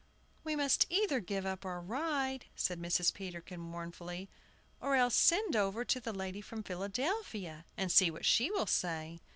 "We must either give up our ride," said Mrs. Peterkin, mournfully, "or else send over to the lady from Philadelphia, and see what she will say."